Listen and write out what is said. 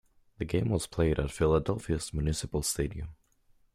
The game was played at Philadelphia's Municipal Stadium.